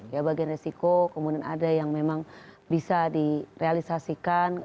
ya bagian resiko kemudian ada yang memang bisa direalisasikan